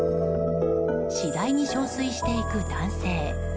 次第に憔悴していく男性。